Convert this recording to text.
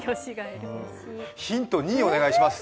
ヒント２、お願いします。